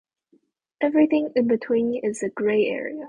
Everything in between is a "grey area".